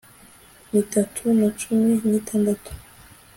n'itatu na cumi n'itandatu